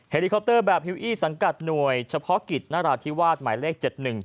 ลิคอปเตอร์แบบฮิวอี้สังกัดหน่วยเฉพาะกิจนราธิวาสหมายเลข๗๑